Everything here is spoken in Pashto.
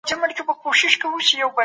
موږ په قطارو کښي درېږو.